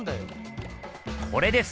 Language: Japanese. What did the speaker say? これです！